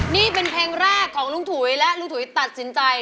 นี่เป็นเพลงแรกของลุงถุยและลุงถุยตัดสินใจ